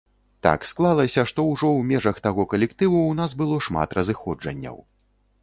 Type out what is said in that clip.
Так склалася, што ўжо ў межах таго калектыву ў нас было шмат разыходжанняў.